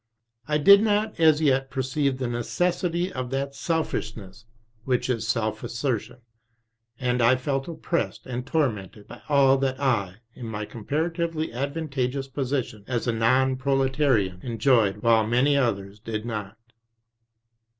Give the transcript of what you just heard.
I did not as yet perceive the necessity of that selfishness which is self assertion, and I felt oppressed and tormented by all that I, in my comparatively advantageous position as a non proletarian, enjoyed, while many others did not.